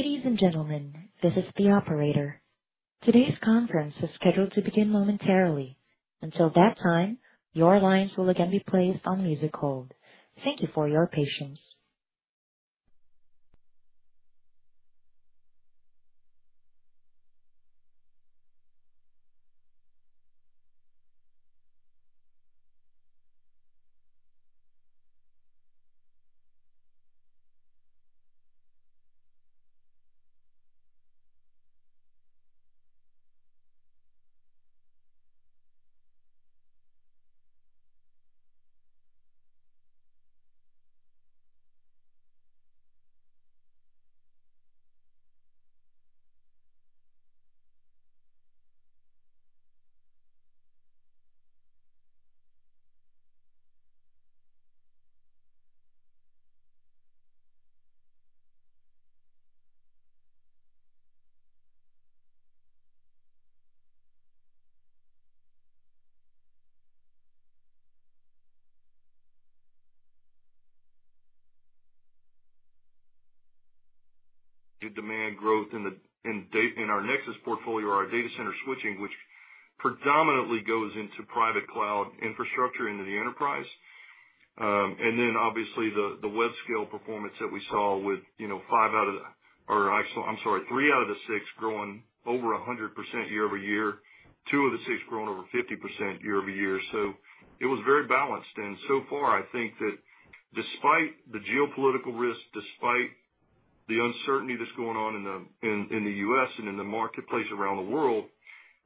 Ladies and gentlemen, this is the operator. Today's conference is scheduled to begin momentarily. Until that time, your lines will again be placed on music hold. Thank you for your patience. Continued demand growth in our Nexus portfolio or our data center switching, which predominantly goes into private cloud infrastructure into the enterprise. And then obviously the web scale performance that we saw with five out of the—or I'm sorry, three out of the six growing over 100% year over year, two of the six growing over 50% year over year. So it was very balanced. And so far, I think that despite the geopolitical risk, despite the uncertainty that's going on in the U.S. and in the marketplace around the world,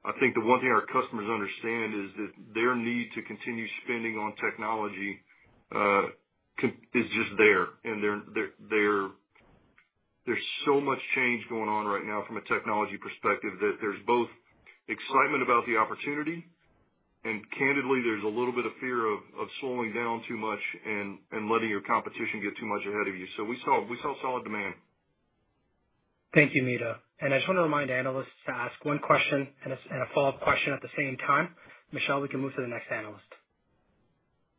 I think the one thing our customers understand is that their need to continue spending on technology is just there. There's so much change going on right now from a technology perspective that there's both excitement about the opportunity, and candidly, there's a little bit of fear of slowing down too much and letting your competition get too much ahead of you. So we saw solid demand. Thank you, Sami. And I just want to remind analysts to ask one question and a follow-up question at the same time. Michelle, we can move to the next analyst.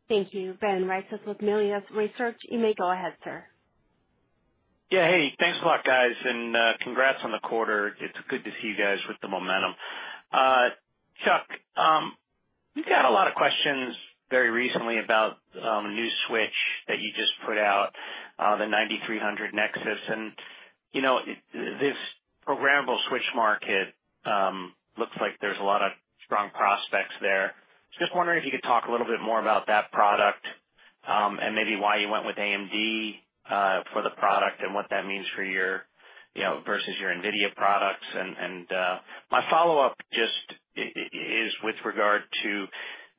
Thank you. Ben Reitzes with Melius Research. You may go ahead, sir. Yeah. Hey, thanks a lot, guys. And congrats on the quarter. It's good to see you guys with the momentum. Chuck, we got a lot of questions very recently about a new switch that you just put out, the Nexus 9300. And this programmable switch market looks like there's a lot of strong prospects there. Just wondering if you could talk a little bit more about that product and maybe why you went with AMD for the product and what that means for your versus your NVIDIA products. And my follow-up just is with regard to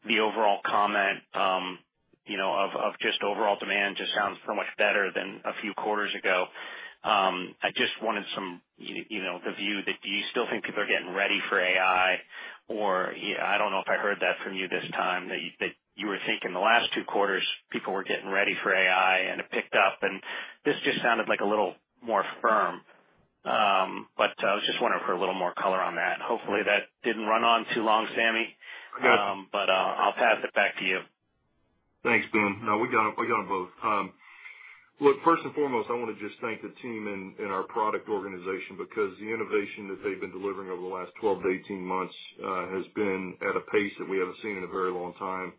the overall comment of just overall demand just sounds so much better than a few quarters ago. I just wanted some, the view that do you still think people are getting ready for AI? Or, I don't know if I heard that from you this time, that you were thinking the last two quarters people were getting ready for AI and it picked up. And this just sounded like a little more firm. But I was just wondering for a little more color on that. Hopefully, that didn't run on too long, Sami. But I'll pass it back to you. Thanks, Ben. No, we got them both. Look, first and foremost, I want to just thank the team and our product organization because the innovation that they've been delivering over the last 12 to 18 months has been at a pace that we haven't seen in a very long time.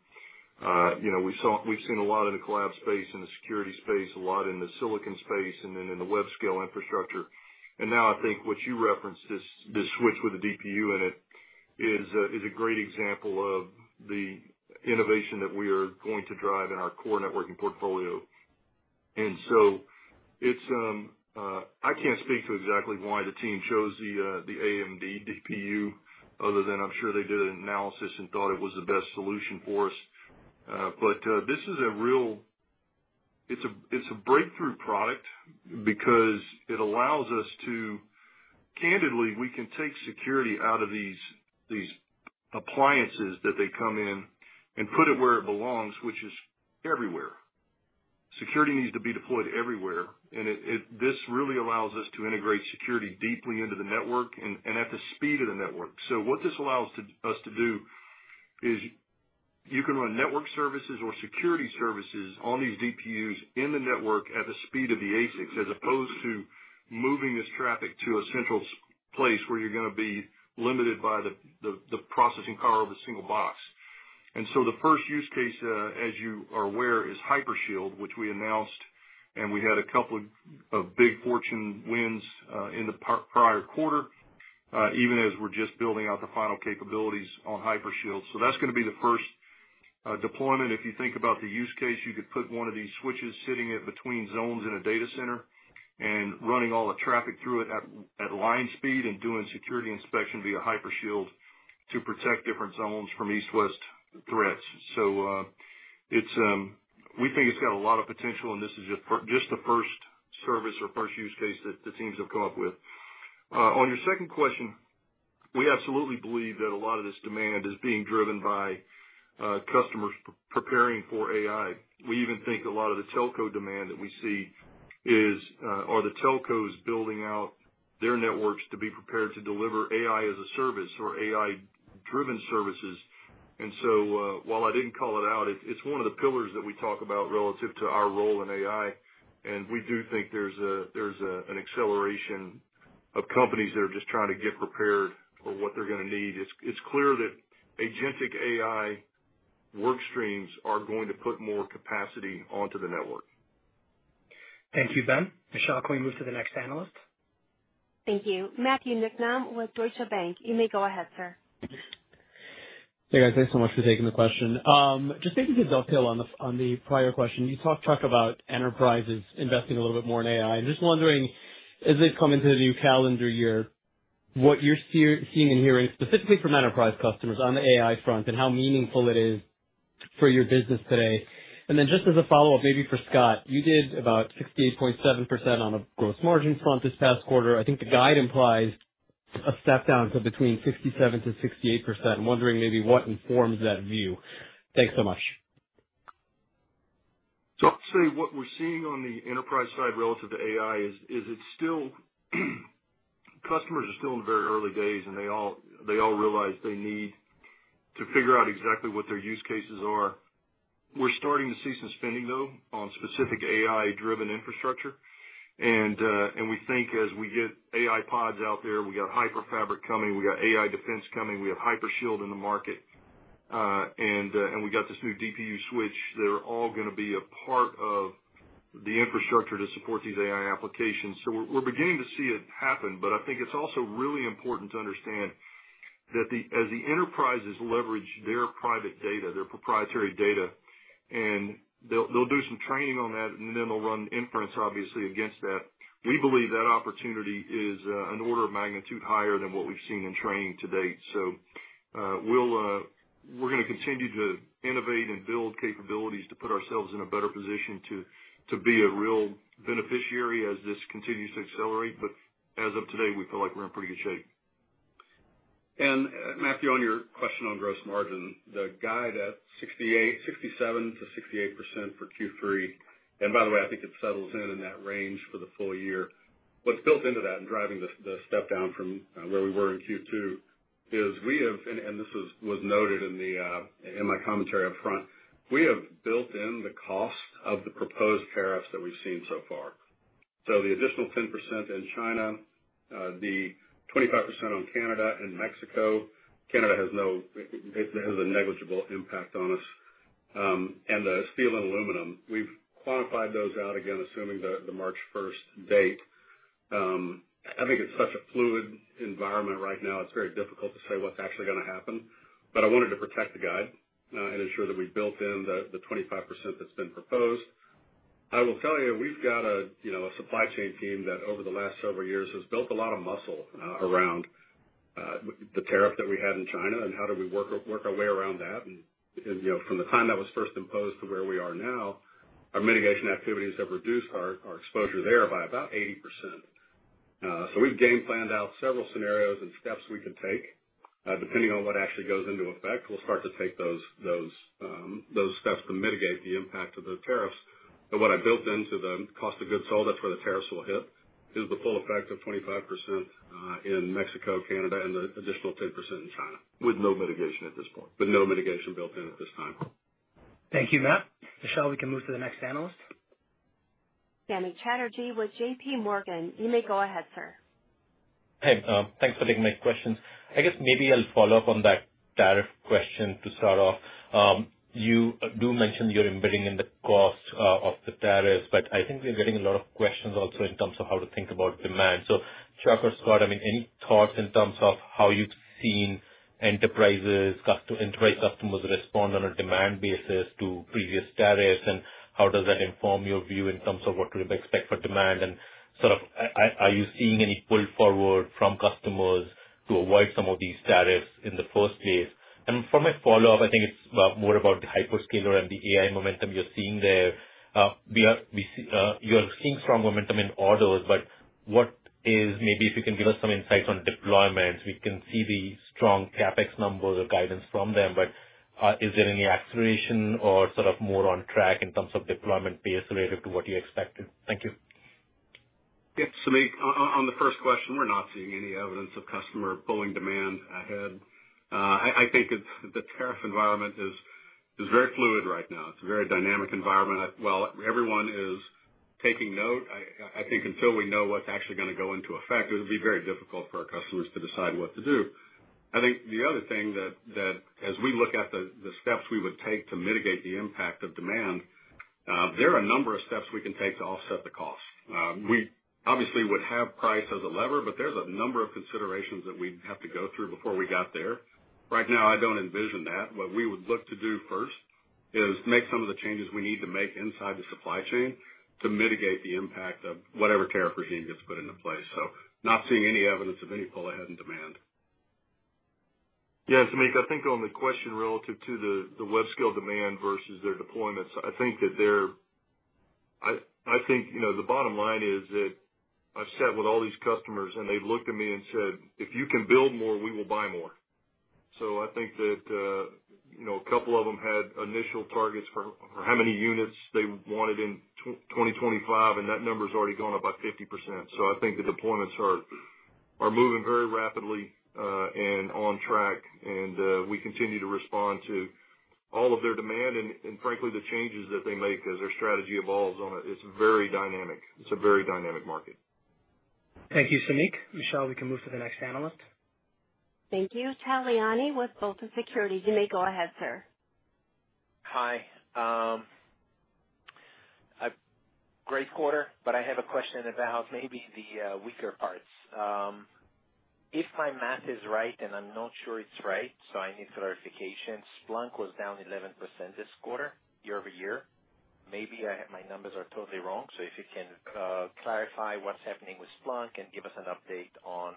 We've seen a lot in the collab space, in the security space, a lot in the silicon space, and then in the web scale infrastructure and now I think what you referenced, this switch with the DPU in it, is a great example of the innovation that we are going to drive in our core networking portfolio and so I can't speak to exactly why the team chose the AMD DPU other than I'm sure they did an analysis and thought it was the best solution for us. But this is a real, it's a breakthrough product because it allows us to, candidly, we can take security out of these appliances that they come in and put it where it belongs, which is everywhere. Security needs to be deployed everywhere. And this really allows us to integrate security deeply into the network and at the speed of the network. So what this allows us to do is you can run network services or security services on these DPUs in the network at the speed of the ASICs as opposed to moving this traffic to a central place where you're going to be limited by the processing power of a single box. And so the first use case, as you are aware, is Hypershield, which we announced, and we had a couple of big Fortune wins in the prior quarter, even as we're just building out the final capabilities on Hypershield. So that's going to be the first deployment. If you think about the use case, you could put one of these switches sitting between zones in a data center and running all the traffic through it at line speed and doing security inspection via Hypershield to protect different zones from east-west threats. So we think it's got a lot of potential, and this is just the first service or first use case that the teams have come up with. On your second question, we absolutely believe that a lot of this demand is being driven by customers preparing for AI. We even think a lot of the telco demand that we see is, are the telcos building out their networks to be prepared to deliver AI as a service or AI-driven services? And so while I didn't call it out, it's one of the pillars that we talk about relative to our role in AI. And we do think there's an acceleration of companies that are just trying to get prepared for what they're going to need. It's clear that agentic AI workstreams are going to put more capacity onto the network. Thank you, Ben. Michelle, can we move to the next analyst? Thank you. Matthew Niknam with Deutsche Bank. You may go ahead, sir. Hey, guys. Thanks so much for taking the question. Just maybe to dovetail on the prior question, you talked about enterprises investing a little bit more in AI. I'm just wondering, as they come into the new calendar year, what you're seeing and hearing specifically from enterprise customers on the AI front and how meaningful it is for your business today? And then just as a follow-up, maybe for Scott, you did about 68.7% on a gross margin front this past quarter. I think the guide implies a step down to between 67% to 68%. I'm wondering maybe what informs that view. Thanks so much. So I'll say what we're seeing on the enterprise side relative to AI is customers are still in the very early days, and they all realize they need to figure out exactly what their use cases are. We're starting to see some spending, though, on specific AI-driven infrastructure. And we think as we get AI Pods out there, we got HyperFabric coming, we got AI Defense coming, we have Hypershield in the market, and we got this new DPU switch. They're all going to be a part of the infrastructure to support these AI applications. So we're beginning to see it happen. But I think it's also really important to understand that as the enterprises leverage their private data, their proprietary data, and they'll do some training on that, and then they'll run inference, obviously, against that. We believe that opportunity is an order of magnitude higher than what we've seen in training to date. So we're going to continue to innovate and build capabilities to put ourselves in a better position to be a real beneficiary as this continues to accelerate. But as of today, we feel like we're in pretty good shape. And Matthew, on your question on gross margin, the guide at 67%-68% for Q3, and by the way, I think it settles in in that range for the full year. What's built into that and driving the step down from where we were in Q2 is we have, and this was noted in my commentary upfront, we have built in the cost of the proposed tariffs that we've seen so far. So the additional 10% in China, the 25% on Canada and Mexico. Canada has a negligible impact on us. And the steel and aluminum, we've quantified those out again, assuming the March 1 date. I think it's such a fluid environment right now. It's very difficult to say what's actually going to happen. But I wanted to protect the guide and ensure that we built in the 25% that's been proposed. I will tell you, we've got a supply chain team that over the last several years has built a lot of muscle around the tariff that we had in China and how did we work our way around that, and from the time that was first imposed to where we are now, our mitigation activities have reduced our exposure there by about 80%, so we've game planned out several scenarios and steps we can take. Depending on what actually goes into effect, we'll start to take those steps to mitigate the impact of the tariffs, but what I built into the cost of goods sold, that's where the tariffs will hit, is the full effect of 25% in Mexico, Canada, and the additional 10% in China. With no mitigation at this point. With no mitigation built in at this time. Thank you, Matt. Michelle, we can move to the next analyst. Samik Chatterjee with J.P. Morgan. You may go ahead, sir. Hey, thanks for taking my questions. I guess maybe I'll follow up on that tariff question to start off. You do mention you're embedding in the cost of the tariffs, but I think we're getting a lot of questions also in terms of how to think about demand. So Chuck or Scott, I mean, any thoughts in terms of how you've seen enterprise customers respond on a demand basis to previous tariffs? And how does that inform your view in terms of what to expect for demand? And sort of are you seeing any pull forward from customers to avoid some of these tariffs in the first place? And for my follow-up, I think it's more about the hyperscaler and the AI momentum you're seeing there. You're seeing strong momentum in autos, but what is maybe if you can give us some insights on deployments? We can see the strong CapEx numbers or guidance from them, but is there any acceleration or sort of more on track in terms of deployment pace relative to what you expected? Thank you. Yep, so on the first question, we're not seeing any evidence of customer pulling demand ahead. I think the tariff environment is very fluid right now. It's a very dynamic environment, well, everyone is taking note. I think until we know what's actually going to go into effect, it would be very difficult for our customers to decide what to do. I think the other thing that as we look at the steps we would take to mitigate the impact of demand, there are a number of steps we can take to offset the cost. We obviously would have price as a lever, but there's a number of considerations that we'd have to go through before we got there. Right now, I don't envision that. What we would look to do first is make some of the changes we need to make inside the supply chain to mitigate the impact of whatever tariff regime gets put into place. So not seeing any evidence of any pull ahead in demand. Yeah. So Samik, I think on the question relative to the web scale demand versus their deployments, I think the bottom line is that I've sat with all these customers, and they've looked at me and said, "If you can build more, we will buy more." So I think that a couple of them had initial targets for how many units they wanted in 2025, and that number's already gone up by 50%. So I think the deployments are moving very rapidly and on track. And we continue to respond to all of their demand. And frankly, the changes that they make as their strategy evolves on it, it's very dynamic. It's a very dynamic market. Thank you, Samik. Michelle, we can move to the next analyst. Thank you. Tal Liani with BofA Securities. You may go ahead, sir. Hi. Great quarter, but I have a question about maybe the weaker parts. If my math is right, and I'm not sure it's right, so I need clarification. Splunk was down 11% this quarter, year over year. Maybe my numbers are totally wrong. So if you can clarify what's happening with Splunk and give us an update on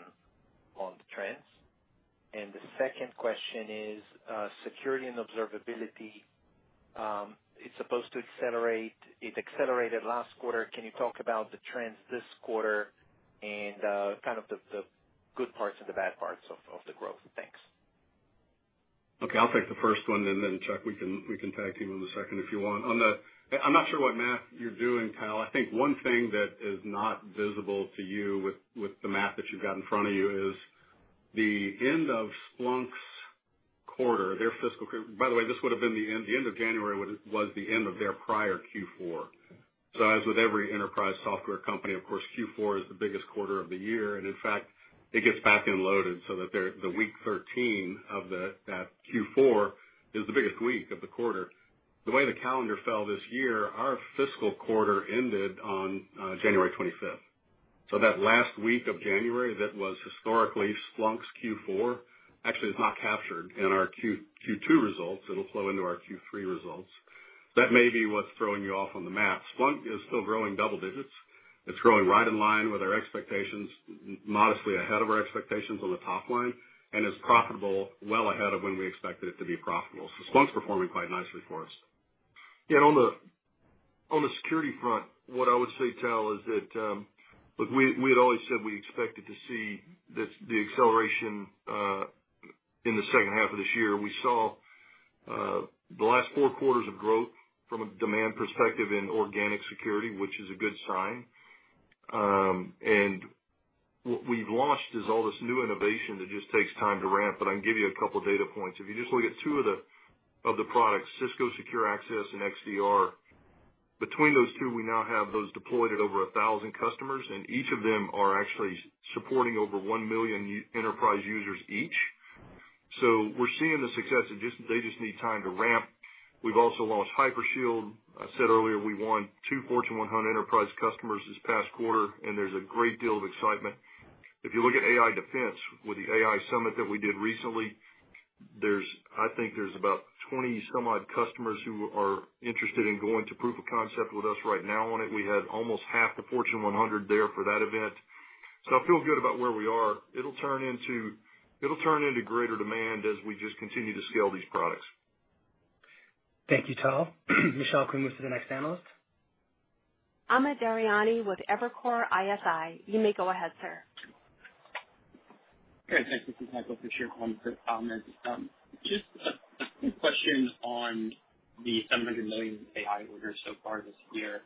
the trends? And the second question is security and observability. It's supposed to accelerate. It accelerated last quarter. Can you talk about the trends this quarter and kind of the good parts and the bad parts of the growth? Thanks. Okay. I'll take the first one and then Chuck, we can tag team on the second if you want. I'm not sure what math you're doing, Tal. I think one thing that is not visible to you with the math that you've got in front of you is the end of Splunk's quarter, their fiscal, by the way, this would have been the end. The end of January was the end of their prior Q4. So as with every enterprise software company, of course, Q4 is the biggest quarter of the year. And in fact, it gets back-loaded so that the week 13 of that Q4 is the biggest week of the quarter. The way the calendar fell this year, our fiscal quarter ended on January 25. So that last week of January that was historically Splunk's Q4 actually is not captured in our Q2 results. It'll flow into our Q3 results. That may be what's throwing you off on the math. Splunk is still growing double digits. It's growing right in line with our expectations, modestly ahead of our expectations on the top line, and is profitable well ahead of when we expected it to be profitable. So Splunk's performing quite nicely for us. Yeah. On the security front, what I would say, Tal, is that we had always said we expected to see the acceleration in the second half of this year. We saw the last four quarters of growth from a demand perspective in organic security, which is a good sign. And what we've launched is all this new innovation that just takes time to ramp. But I can give you a couple of data points. If you just look at two of the products, Cisco Secure Access and XDR, between those two, we now have those deployed at over 1,000 customers, and each of them are actually supporting over 1 million enterprise users each. So we're seeing the success. They just need time to ramp. We've also launched Hypershield. I said earlier we won two Fortune 100 enterprise customers this past quarter, and there's a great deal of excitement. If you look at AI defense, with the AI summit that we did recently, I think there's about 20-some-odd customers who are interested in going to proof of concept with us right now on it. We had almost half the Fortune 100 there for that event. So I feel good about where we are. It'll turn into greater demand as we just continue to scale these products. Thank you, Tal. Michelle, can we move to the next analyst? Amit Daryanani with Evercore ISI. You may go ahead, sir. Okay. Thanks, Michael, for sharing all the comments. Just a quick question on the $700 million AI orders so far this year.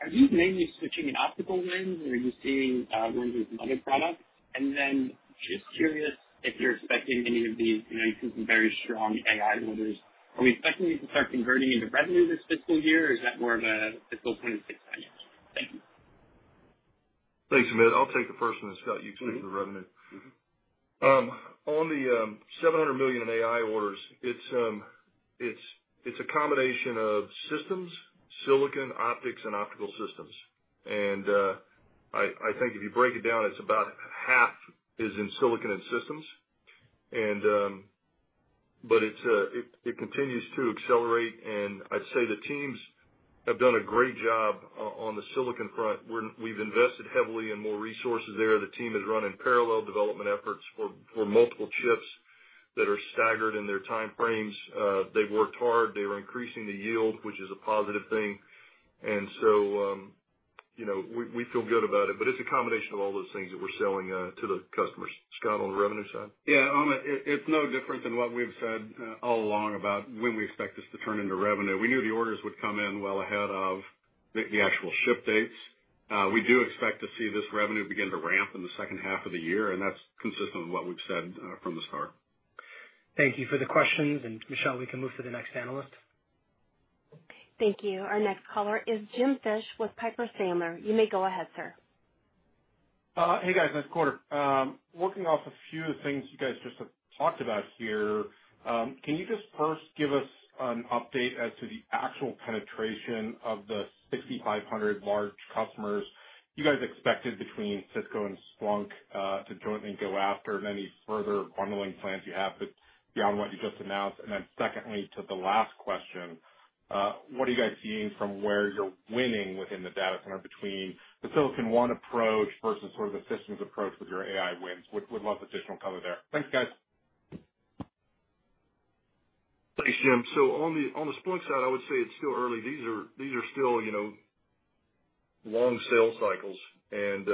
Are you mainly switching an optical lens, or are you seeing lenses in other products? And then just curious if you're expecting any of these. You've seen some very strong AI orders. Are we expecting these to start converting into revenue this fiscal year, or is that more of a fiscal 2026? Thank you. Thanks, Amit. I'll take the first one, Scott. You can do the revenue. On the $700 million in AI orders, it's a combination of systems, silicon, optics, and optical systems. And I think if you break it down, it's about half is in silicon and systems. But it continues to accelerate. And I'd say the teams have done a great job on the silicon front. We've invested heavily in more resources there. The team has run in parallel development efforts for multiple chips that are staggered in their time frames. They've worked hard. They are increasing the yield, which is a positive thing. And so we feel good about it. But it's a combination of all those things that we're selling to the customers. Scott, on the revenue side? Yeah. Amit, it's no different than what we've said all along about when we expect this to turn into revenue. We knew the orders would come in well ahead of the actual ship dates. We do expect to see this revenue begin to ramp in the second half of the year, and that's consistent with what we've said from the start. Thank you for the questions, and Michelle, we can move to the next analyst. Thank you. Our next caller is James Fish with Piper Sandler. You may go ahead, sir. Hey, guys. Nice quarter. Working off a few of the things you guys just talked about here, can you just first give us an update as to the actual penetration of the 6,500 large customers you guys expected between Cisco and Splunk to jointly go after and any further bundling plans you have beyond what you just announced? And then secondly, to the last question, what are you guys seeing from where you're winning within the data center between the Silicon One approach versus sort of the systems approach with your AI wins? We'd love additional color there. Thanks, guys. Thanks, Jim. So on the Splunk side, I would say it's still early. These are still long sales cycles, and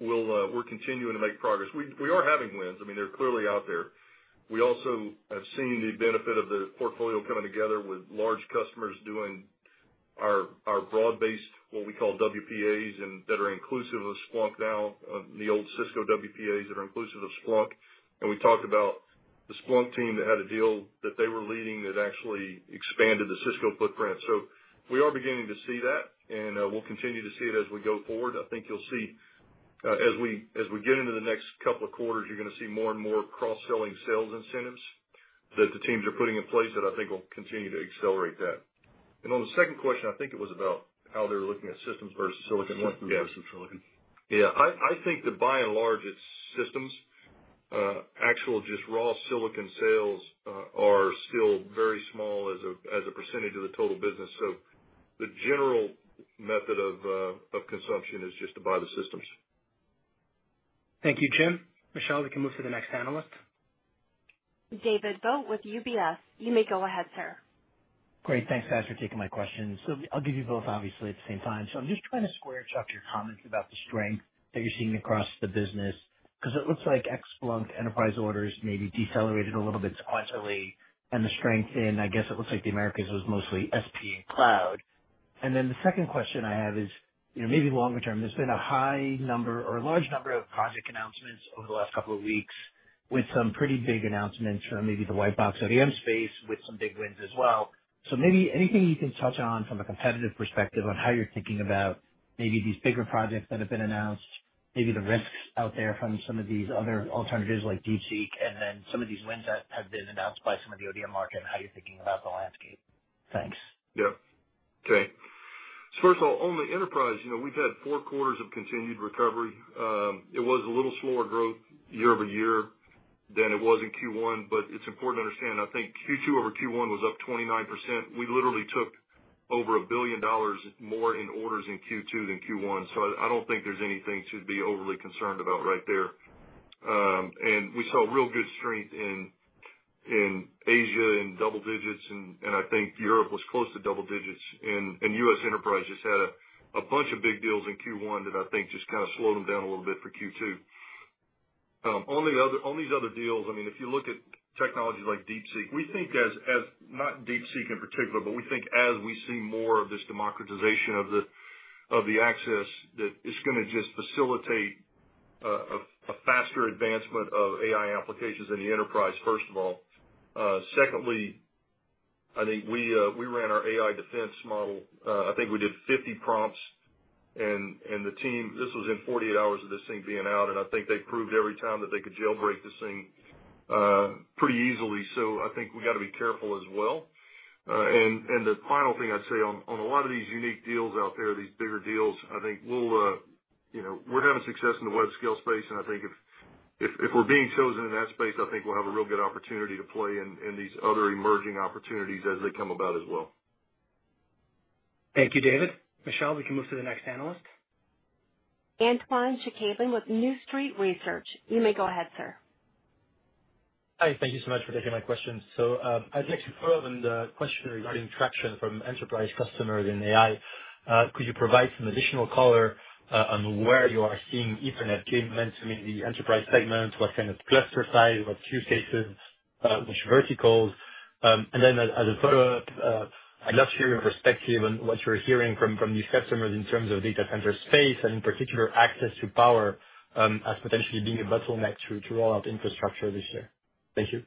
we're continuing to make progress. We are having wins. I mean, they're clearly out there. We also have seen the benefit of the portfolio coming together with large customers doing our broad-based, what we call WPAs, that are inclusive of Splunk now, the old Cisco WPAs that are inclusive of Splunk. And we talked about the Splunk team that had a deal that they were leading that actually expanded the Cisco footprint. So we are beginning to see that, and we'll continue to see it as we go forward. I think you'll see as we get into the next couple of quarters, you're going to see more and more cross-selling sales incentives that the teams are putting in place that I think will continue to accelerate that. On the second question, I think it was about how they're looking at systems versus silicon. Systems versus silicon. Yeah. I think that by and large, it's systems. Actually, just raw silicon sales are still very small as a percentage of the total business. So the general method of consumption is just to buy the systems. Thank you, Jim. Michelle, we can move to the next analyst. David Vogt with UBS. You may go ahead, sir. Great. Thanks, guys, for taking my questions, so I'll give you both, obviously, at the same time, so I'm just trying to square it up to your comments about the strength that you're seeing across the business because it looks like ex-Splunk enterprise orders maybe decelerated a little bit sequentially, and the strength in, I guess it looks like the Americas was mostly SP and cloud, and then the second question I have is maybe longer term. There's been a high number or a large number of project announcements over the last couple of weeks with some pretty big announcements from maybe the white box ODM space with some big wins as well. Maybe anything you can touch on from a competitive perspective on how you're thinking about maybe these bigger projects that have been announced, maybe the risks out there from some of these other alternatives like DeepSeek, and then some of these wins that have been announced by some of the ODM market and how you're thinking about the landscape. Thanks. Yeah. Okay. So first of all, on the enterprise, we've had four quarters of continued recovery. It was a little slower growth year over year than it was in Q1, but it's important to understand. I think Q2 over Q1 was up 29%. We literally took over $1 billion more in orders in Q2 than Q1. So I don't think there's anything to be overly concerned about right there. And we saw real good strength in Asia in double digits, and I think Europe was close to double digits. And U.S. enterprise just had a bunch of big deals in Q1 that I think just kind of slowed them down a little bit for Q2. On these other deals, I mean, if you look at technology like DeepSeek, we think as not DeepSeek in particular, but we think as we see more of this democratization of the access that it's going to just facilitate a faster advancement of AI applications in the enterprise, first of all. Secondly, I think we ran our AI defense model. I think we did 50 prompts, and the team (this was in 48 hours of this thing being out) and I think they proved every time that they could jailbreak this thing pretty easily. I think we got to be careful as well. And the final thing I'd say on a lot of these unique deals out there, these bigger deals, I think we're having success in the web scale space, and I think if we're being chosen in that space, I think we'll have a real good opportunity to play in these other emerging opportunities as they come about as well. Thank you, David. Michelle, we can move to the next analyst. Antoine Chkaiban with New Street Research. You may go ahead, sir. Hi. Thank you so much for taking my questions. So I'd like to follow up on the question regarding traction from enterprise customers in AI. Could you provide some additional color on where you are seeing Ethernet gaining momentum in the enterprise segment? What kind of cluster size, what use cases, which verticals? And then as a follow-up, I'd love to hear your perspective on what you're hearing from these customers in terms of data center space and, in particular, access to power as potentially being a bottleneck to roll out infrastructure this year. Thank you.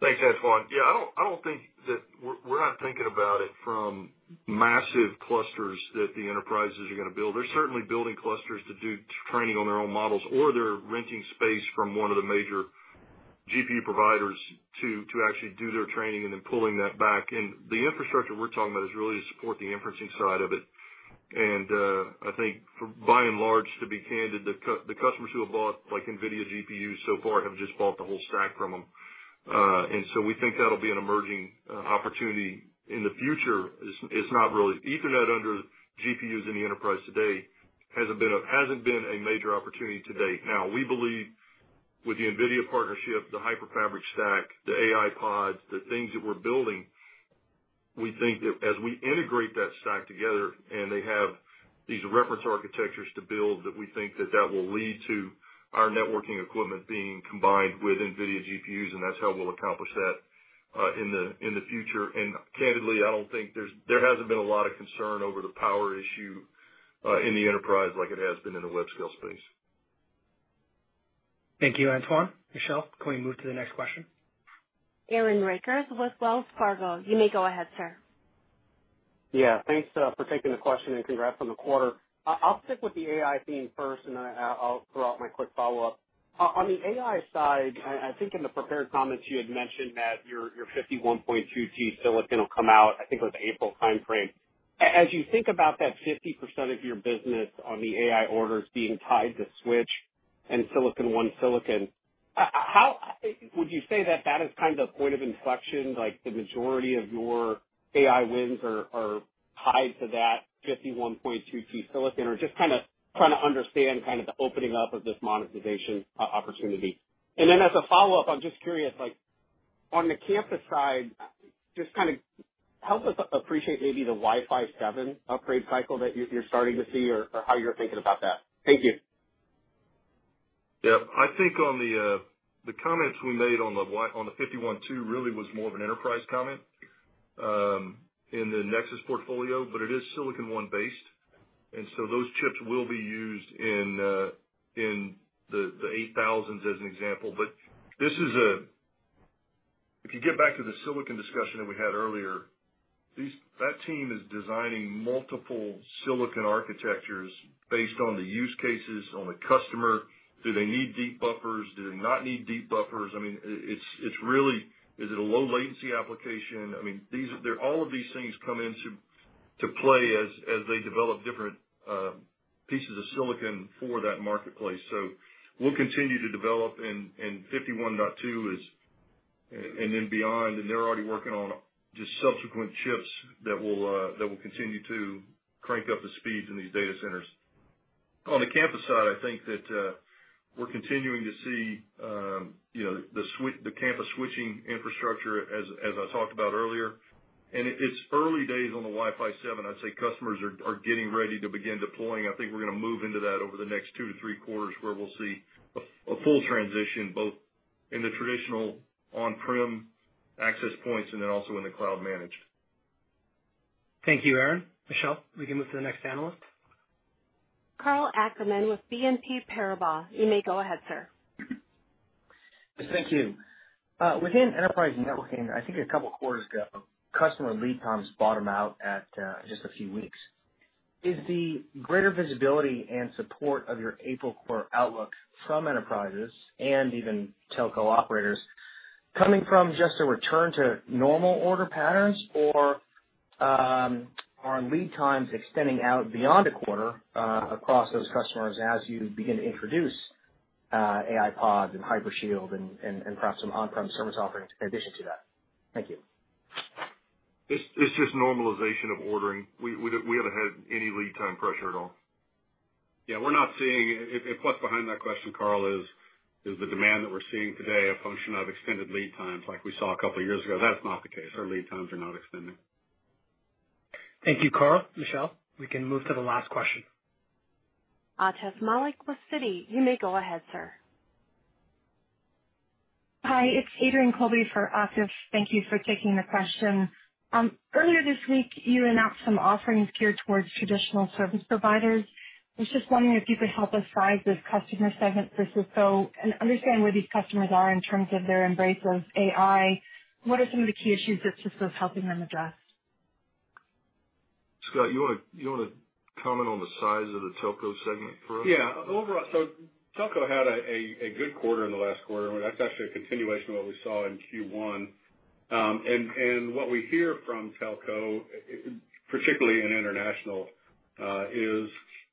Thanks, Antoine. Yeah. I don't think that we're not thinking about it from massive clusters that the enterprises are going to build. They're certainly building clusters to do training on their own models, or they're renting space from one of the major GPU providers to actually do their training and then pulling that back. And the infrastructure we're talking about is really to support the inferencing side of it. And I think, by and large, to be candid, the customers who have bought NVIDIA GPUs so far have just bought the whole stack from them. And so we think that'll be an emerging opportunity in the future. Ethernet under GPUs in the enterprise today hasn't been a major opportunity to date. Now, we believe with the NVIDIA partnership, the Hyperfabric stack, the AI pods, the things that we're building, we think that as we integrate that stack together and they have these reference architectures to build that we think that that will lead to our networking equipment being combined with NVIDIA GPUs, and that's how we'll accomplish that in the future, and candidly, I don't think there hasn't been a lot of concern over the power issue in the enterprise like it has been in the web scale space. Thank you, Antoine. Michelle, can we move to the next question? Aaron Rakers with Wells Fargo. You may go ahead, sir. Yeah. Thanks for taking the question and congrats on the quarter. I'll stick with the AI theme first, and then I'll throw out my quick follow-up. On the AI side, I think in the prepared comments you had mentioned that your 51.2G silicon will come out, I think it was the April time frame. As you think about that 50% of your business on the AI orders being tied to switches and Silicon One silicon, would you say that that is kind of a point of inflection? The majority of your AI wins are tied to that 51.2G silicon or just kind of trying to understand kind of the opening up of this monetization opportunity? And then as a follow-up, I'm just curious, on the campus side, just kind of help us appreciate maybe the Wi-Fi 7 upgrade cycle that you're starting to see or how you're thinking about that. Thank you. Yeah. I think on the comments we made on the 51.2 really was more of an enterprise comment in the Nexus portfolio, but it is Silicon One based. And so those chips will be used in the 8000s as an example. But if you get back to the silicon discussion that we had earlier, that team is designing multiple silicon architectures based on the use cases, on the customer. Do they need deep buffers? Do they not need deep buffers? I mean, it's really, is it a low-latency application? I mean, all of these things come into play as they develop different pieces of silicon for that marketplace. So we'll continue to develop in 51.2 and then beyond, and they're already working on just subsequent chips that will continue to crank up the speeds in these data centers. On the campus side, I think that we're continuing to see the campus switching infrastructure, as I talked about earlier. And it's early days on the Wi-Fi 7. I'd say customers are getting ready to begin deploying. I think we're going to move into that over the next two to three quarters where we'll see a full transition both in the traditional on-prem access points and then also in the cloud-managed. Thank you, Aaron. Michelle, we can move to the next analyst. Karl Ackerman with BNP Paribas. You may go ahead, sir. Thank you. Within enterprise networking, I think a couple of quarters ago, customer lead times bottomed out at just a few weeks. Is the greater visibility and support of your April quarter outlook from enterprises and even telco operators coming from just a return to normal order patterns, or are lead times extending out beyond a quarter across those customers as you begin to introduce AI Pods and Hypershield and perhaps some on-prem service offerings in addition to that? Thank you. It's just normalization of ordering. We haven't had any lead time pressure at all. Yeah. What's behind that question, Karl, is the demand that we're seeing today a function of extended lead times like we saw a couple of years ago. That's not the case. Our lead times are not extending. Thank you, Karl. Michelle, we can move to the last question. Atif Malik with Citi. You may go ahead, sir. Hi. It's Adrienne Colby for Atif. Thank you for taking the question. Earlier this week, you announced some offerings geared towards traditional service providers. I was just wondering if you could help us size this customer segment for Cisco and understand where these customers are in terms of their embrace of AI. What are some of the key issues that Cisco is helping them address? Scott, you want to comment on the size of the telco segment for us? Yeah, so telco had a good quarter in the last quarter. That's actually a continuation of what we saw in Q1, and what we hear from telco, particularly in international, is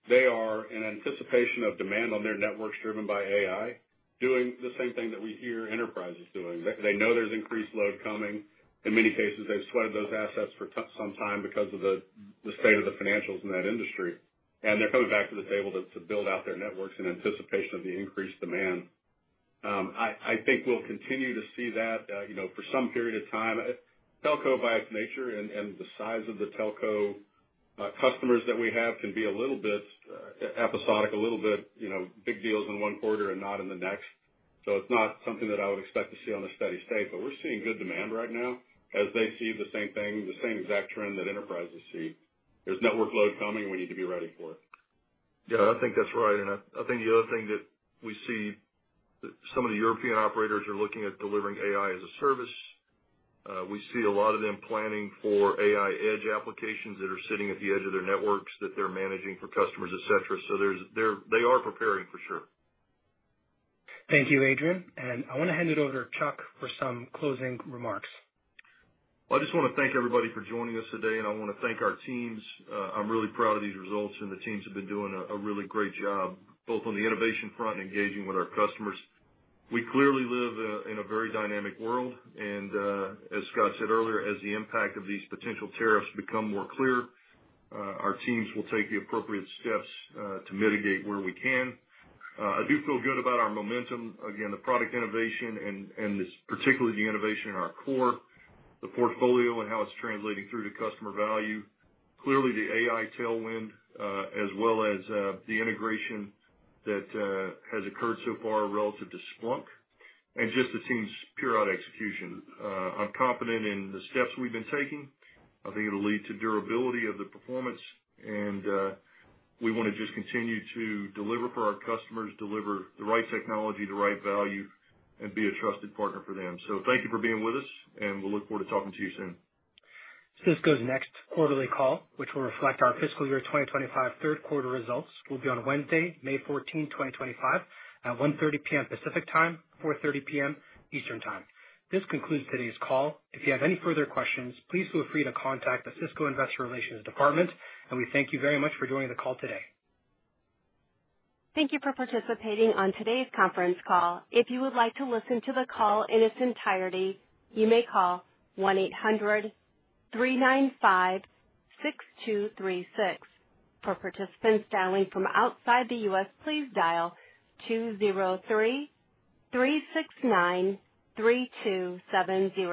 they are in anticipation of demand on their networks driven by AI doing the same thing that we hear enterprises doing. They know there's increased load coming. In many cases, they've sweated those assets for some time because of the state of the financials in that industry, and they're coming back to the table to build out their networks in anticipation of the increased demand. I think we'll continue to see that for some period of time. Telco, by its nature and the size of the telco customers that we have, can be a little bit episodic, a little bit big deals in one quarter and not in the next. So it's not something that I would expect to see on a steady state, but we're seeing good demand right now as they see the same thing, the same exact trend that enterprises see. There's network load coming. We need to be ready for it. Yeah. I think that's right. And I think the other thing that we see, some of the European operators are looking at delivering AI as a service. We see a lot of them planning for AI edge applications that are sitting at the edge of their networks that they're managing for customers, etc. So they are preparing for sure. Thank you, Adrienne. I want to hand it over to Chuck for some closing remarks. I just want to thank everybody for joining us today, and I want to thank our teams. I'm really proud of these results, and the teams have been doing a really great job both on the innovation front and engaging with our customers. We clearly live in a very dynamic world, and as Scott said earlier, as the impact of these potential tariffs become more clear, our teams will take the appropriate steps to mitigate where we can. I do feel good about our momentum. Again, the product innovation and particularly the innovation in our core, the portfolio and how it's translating through to customer value. Clearly, the AI tailwind as well as the integration that has occurred so far relative to Splunk and just the teams' periodic execution. I'm confident in the steps we've been taking. I think it'll lead to durability of the performance, and we want to just continue to deliver for our customers, deliver the right technology, the right value, and be a trusted partner for them. So thank you for being with us, and we'll look forward to talking to you soon. Cisco's next quarterly call, which will reflect our fiscal year 2025 Q3 results, will be on Wednesday, May 14, 2025, at 1:30 P.M. Pacific Time, 4:30 P.M. Eastern Time. This concludes today's call. If you have any further questions, please feel free to contact the Cisco Investor Relations Department, and we thank you very much for joining the call today. Thank you for participating on today's conference call. If you would like to listen to the call in its entirety, you may call 1-800-395-6236. For participants dialing from outside the U.S., please dial 203-369-3270.